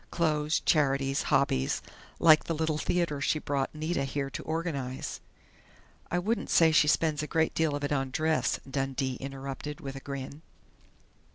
Clothes, charities, hobbies, like the Little Theater she brought Nita here to organize " "I wouldn't say she spends a great deal of it on dress," Dundee interrupted with a grin.